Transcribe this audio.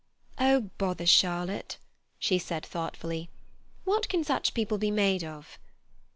"Oh, bother Charlotte," she said thoughtfully. "What can such people be made of?"